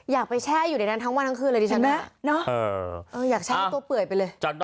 อยากไปแช่อยู่ในนั้นทั้งวันทั้งคืนเลยดิฉันนะอยากแช่ตัวเปื่อยไปเลย